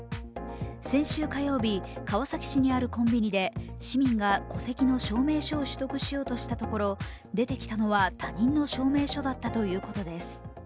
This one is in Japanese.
先週火曜日、川崎市にあるコンビニで市民が戸籍の証明書を取得しようとしたところ出てきたのは他人の証明書だったということです。